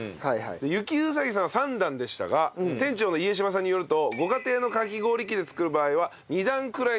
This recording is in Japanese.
雪うさぎさんは３段でしたが店長の家島さんによるとご家庭のかき氷器で作る場合は２段くらいでも大丈夫だと。